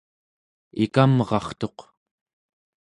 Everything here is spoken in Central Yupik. ikamrartuq